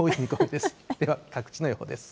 では各地の予報です。